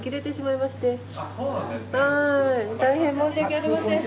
大変申し訳ありません。